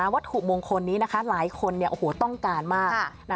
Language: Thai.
วัตถุมงคลนี้หลายคนต้องการมาก